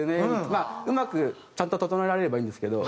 まあうまくちゃんと整えられればいいんですけど。